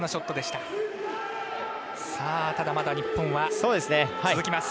ただ、まだ日本はチャンスが続きます。